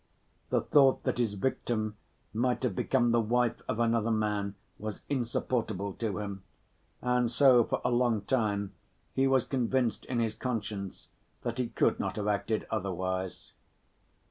The thought that his victim might have become the wife of another man was insupportable to him, and so, for a long time, he was convinced in his conscience that he could not have acted otherwise.